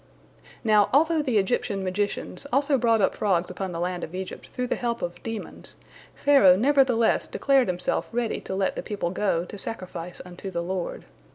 Now, although the Egyptian magicians also brought up frogs upon the land of Egypt through the help of demons, Pharaoh nevertheless declared himself ready to let the people go, to sacrifice unto the Lord.